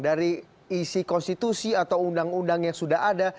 dari isi konstitusi atau undang undang yang sudah ada